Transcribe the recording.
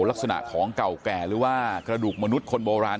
ลักษณะของเก่าแก่หรือว่ากระดูกมนุษย์คนโบราณ